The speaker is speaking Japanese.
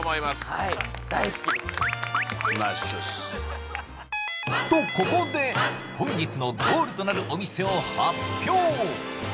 はい大好きですとここで本日のゴールとなるお店を発表！